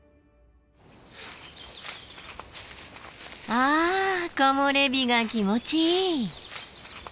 あ木漏れ日が気持ちいい。